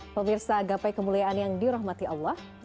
pemirsa gapai kemuliaan yang dirahmati allah